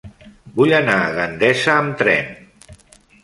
Vull anar a Gandesa amb tren.